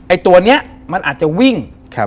ไอ้ตัวเนี่ยมันอาจจะวิ่ง